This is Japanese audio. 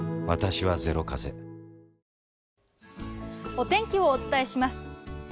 お天気をお伝えします。